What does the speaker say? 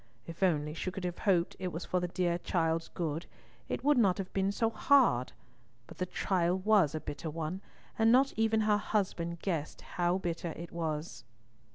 If only she could have hoped it was for the dear child's good, it would not have been so hard! But the trial was a bitter one, and not even her husband guessed how bitter it was.